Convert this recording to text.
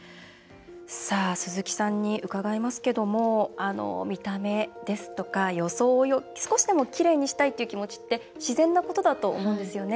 鈴木さんに伺いますけども見た目ですとか装いを少しでもきれいにしたい気持ちって自然なことだと思うんですよね。